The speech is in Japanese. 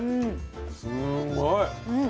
すんごい。